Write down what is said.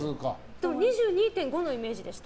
でも、２２．５のイメージでした。